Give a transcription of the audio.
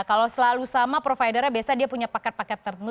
kalau selalu sama providernya biasa dia punya paket paket tertentu